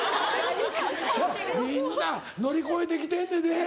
ちゃうみんな乗り越えてきてんねんで。